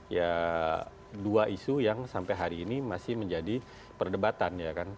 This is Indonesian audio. ya dua isu yang sampai hari ini masih menjadi perdebatan ya kan